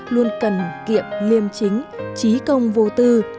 luôn cần kiệm liêm chính trí công vô tình